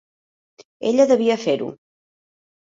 Ella devia fer-ho.